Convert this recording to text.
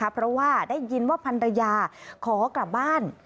เพราะว่าได้ยินว่าพันรยาขอกลับบ้าน